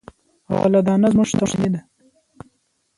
غله دانه زموږ شتمني ده.